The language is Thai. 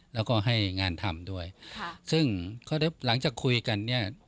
แล้วก็ให้งานทำด้วยค่ะซึ่งเขาหลังจากคุยกันเนี่ย